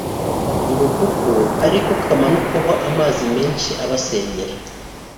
ngo kuko ariko kamanukaho amazi menshi abasenyera